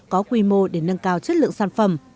có quy mô để nâng cao chất lượng sản phẩm